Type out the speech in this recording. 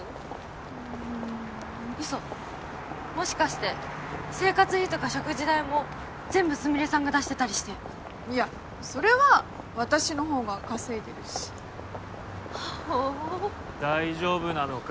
うんウソもしかして生活費とか食事代も全部スミレさんが出してたりしていやそれは私の方が稼いでるしほう大丈夫なのか？